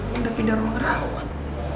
udah pindah ruang rawat